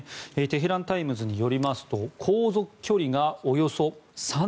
テヘラン・タイムズによりますと航続距離がおよそ３０００ｋｍ。